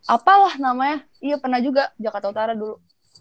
apalah namanya iya pernah juga jakarta utara dulu